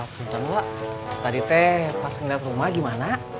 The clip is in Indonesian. funtan wak tadi teh pas liat rumah gimana